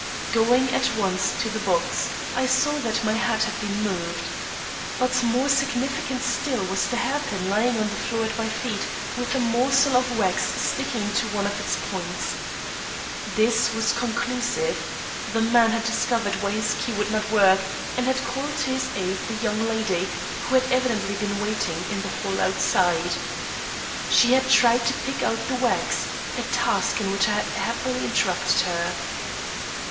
Going at once to the box, I saw that my hat had been moved. But more significant still was the hairpin lying on the floor at my feet, with a morsel of wax sticking to one of its points. This was conclusive. The man had discovered why his key would not work, and had called to his aid the young lady, who had evidently been waiting in the hall outside. She had tried to pick out the wax a task in which I had happily interrupted her.